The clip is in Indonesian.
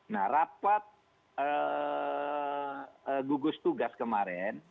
nah rapat gugus tugas kemarin